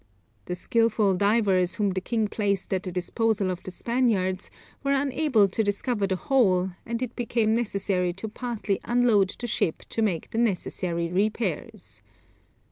The skilful divers whom the king placed at the disposal of the Spaniards, were unable to discover the hole, and it became necessary to partly unload the ship to make the necessary repairs.